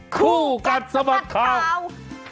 คู่กันสมัครข่าว